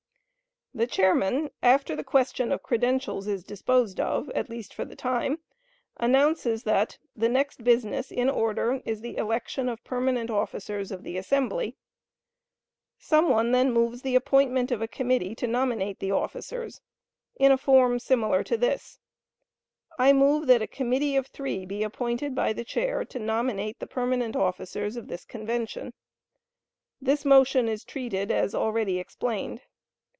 The chairman, after the question of credentials is disposed of, at least for the time, announces that "The next business in order is the election of permanent officers of the assembly." Some one then moves the appointment of a committee to nominate the officers, in a form similar to this: "I move that a committee of three be appointed by the Chair to nominate the permanent officers of this convention." This motion is treated as already explained.